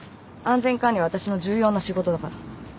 安全管理はわたしの重要な仕事だから。